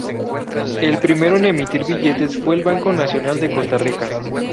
El primero en emitir billetes fue el Banco Nacional de Costa Rica.